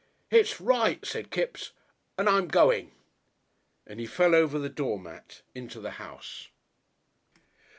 "It's right," said Kipps, "and I'm going." And he fell over the doormat into the house.